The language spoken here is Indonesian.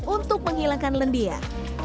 untuk menghilangkan lendian